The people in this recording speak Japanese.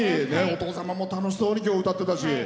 お父様も楽しそうに歌ってたし。